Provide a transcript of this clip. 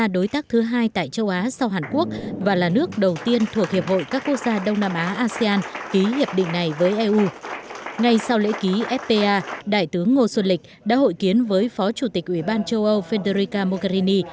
đại tướng ngô xuân lịch đã hội kiến với phó chủ tịch ủy ban châu âu federica mogherini